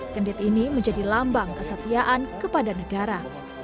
kendit ini menjadi lambang kesetiaan kepada negara